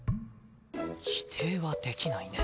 否定はできないね。